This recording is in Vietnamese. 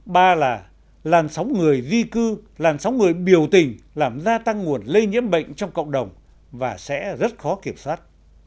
ba là làn sóng người di cư làn sóng người biểu tình làm gia tăng nguồn lây nhiễm bệnh trong cộng đồng và sẽ rất khó kiểm soát